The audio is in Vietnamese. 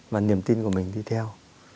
và niềm tin của mình đi theo